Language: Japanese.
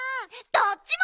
どっちも。